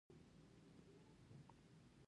د ښوونکي لارښوونه د زده کوونکو بریا کې مرسته وکړه.